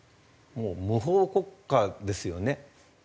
もう無法国家ですよね。